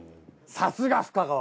さすが深川！